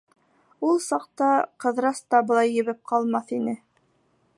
Ул саҡта Ҡыҙырас та былай ебеп ҡалмаҫ ине.